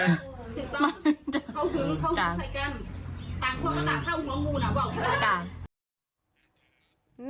ต่างคนก็ต่างถ้าหุงลงมูน่ะบอกกัน